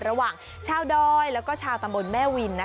ระหว่างชาวดอยแล้วก็ชาวตำบลแม่วิน